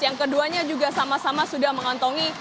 yang keduanya juga sama sama sudah mengantongi